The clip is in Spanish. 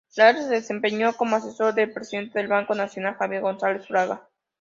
Llach se desempeñaba como asesor del presidente del Banco Nación, Javier González Fraga.